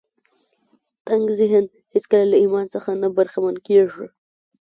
تنګ ذهن هېڅکله له ايمان څخه نه برخمن کېږي.